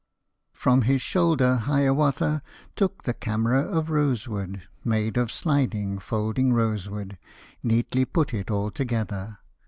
] From his shoulder Hiawatha Took the camera of rosewood, Made of sliding, folding rosewood; Neatly put it all together.